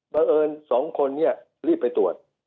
บังเอิญ๒คนรีบไปตรวจ